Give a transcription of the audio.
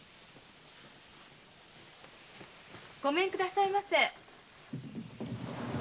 ごめんくださいませ。